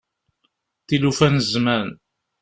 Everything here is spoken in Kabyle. Tilufa n zzman.